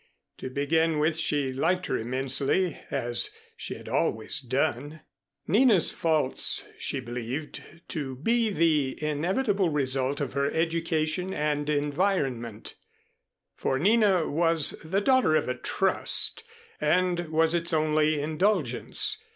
To begin with she liked her immensely as she had always done. Nina's faults she believed to be the inevitable result of her education and environment, for Nina was the daughter of a Trust, and was its only indulgence.